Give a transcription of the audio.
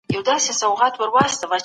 پلان جوړونه ډېرې ګټي او اهداف لري.